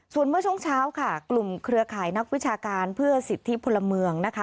ส่วนเมื่อช่วงเช้าค่ะกลุ่มเครือข่ายนักวิชาการเพื่อสิทธิพลเมืองนะคะ